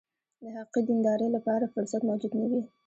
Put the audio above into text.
د حقیقي دیندارۍ لپاره فرصت موجود نه وي.